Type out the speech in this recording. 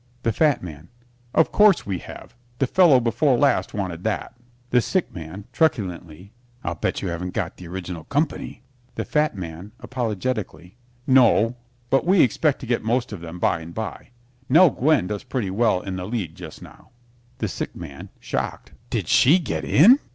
THE FAT MAN Of course, we have. The fellow before last wanted that. THE SICK MAN (truculently) I'll bet you haven't got the original company. THE FAT MAN (apologetically) No, but we expect to get most of them by and by. Nell Gwyn does pretty well in the lead just now. THE SICK MAN (shocked) Did she get in?